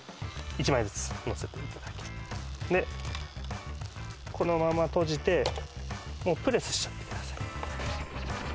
１枚ずつ乗せていただいてでこのまま閉じてもうプレスしちゃってください